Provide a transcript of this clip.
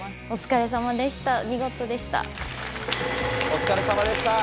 お疲れさまでした。